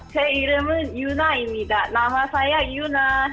keirimun yuna imnida nama saya yuna